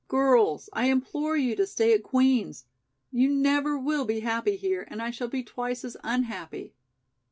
Girls, I implore you to stay at Queen's. You never will be happy here, and I shall be twice as unhappy."